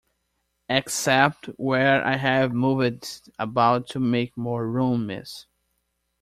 Except where I have moved it about to make more room, miss.